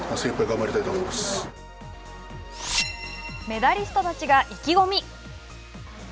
メダリストたちが意気込み！